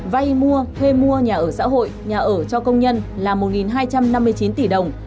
vay mua thuê mua nhà ở xã hội nhà ở cho công nhân là một hai trăm năm mươi chín tỷ đồng